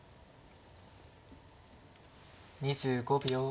２５秒。